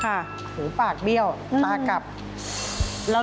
ตื่นขึ้นมาอีกทีตอน๑๐โมงเช้า